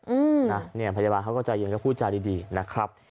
พนักงานพยาบาลเขาก็ใจเย็นและพูดจาดีนะครับ